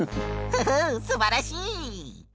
フフッすばらしい。